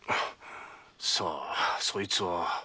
さぁそいつは。